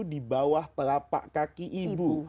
di bawah telapak kaki ibu